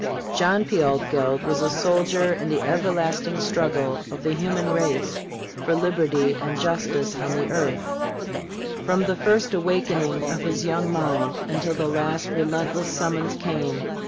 John P. Altgeld was a soldier in the everlasting struggle of the human race for liberty and justice on the earth. From the first awakening of his young mind until the last relentless summons came.